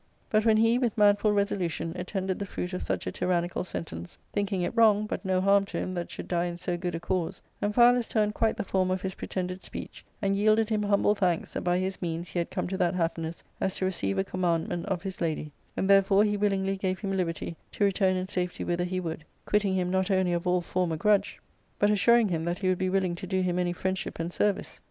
But when he, with manful resolution, attended the fruit of such a tyrannical sentence, thinking it wrong, but no harm to ^ him that should die in so good a cause, Amphialus turned quite the form of his prete\ided speech, and yielded him humble thanks that by his means he had come to that happi ness as to receive a commandment of his lady, and therefore he willingly gave him liberty to return in safety whither he would, quitting him not only of all former grudge, but ^ assuring him that he would be willing to do him any friend ship and service.